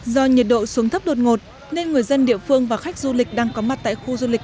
do nhiệt độ xuống thấp đột ngột nên người dân địa phương và khách du lịch đang có mặt tại khu du lịch